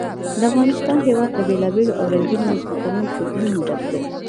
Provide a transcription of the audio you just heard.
د افغانستان هېواد له بېلابېلو او رنګینو ځمکنیو شکلونو ډک دی.